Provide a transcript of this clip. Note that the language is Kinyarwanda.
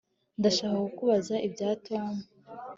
Ndashaka kukubaza ibya Tom